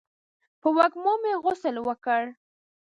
په وږمو مې غسل وکړ